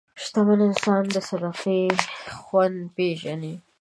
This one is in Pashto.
شتمن انسان د صدقې خوند پېژني.